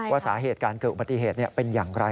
สาเหตุการเกิดอุบัติเหตุเป็นอย่างไร